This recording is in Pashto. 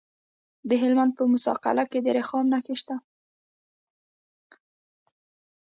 د هلمند په موسی قلعه کې د رخام نښې شته.